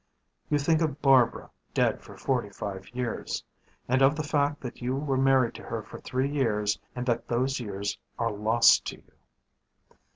You think of Barbara dead for forty five years. And of the fact that you were married to her for three years and that those years are lost to you.